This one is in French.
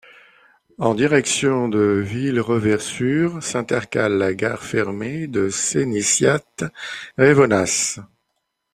En direction de Villereversure s'intercale la gare fermée de Sénissiat-Revonnas.